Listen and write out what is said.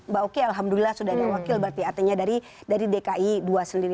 mbak oki alhamdulillah sudah ada wakil berarti artinya dari dki dua sendiri